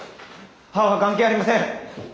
母は関係ありません！